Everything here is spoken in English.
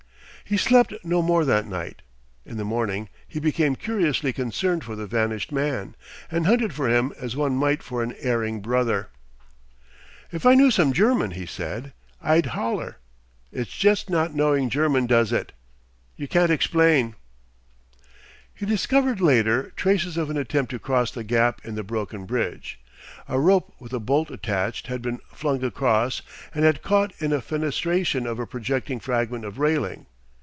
He slept no more that night. In the morning he became curiously concerned for the vanished man, and hunted for him as one might for an erring brother. "If I knew some German," he said, "I'd 'oller. It's jest not knowing German does it. You can't explain'" He discovered, later, traces of an attempt to cross the gap in the broken bridge. A rope with a bolt attached had been flung across and had caught in a fenestration of a projecting fragment of railing.